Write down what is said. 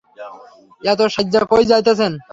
এত সাইজ্জা কই যাইতাছেন?